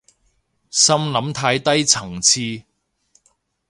心諗太低層次